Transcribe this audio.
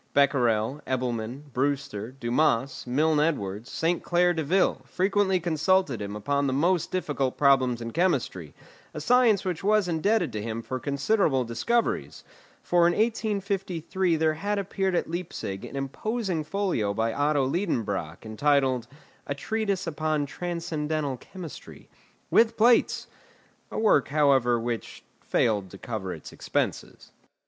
Becquerel, Ebelman, Brewster, Dumas, Milne Edwards, Saint Claire Deville frequently consulted him upon the most difficult problems in chemistry, a science which was indebted to him for considerable discoveries, for in 1853 there had appeared at Leipzig an imposing folio by Otto Liedenbrock, entitled, "A Treatise upon Transcendental Chemistry," with plates; a work, however, which failed to cover its expenses.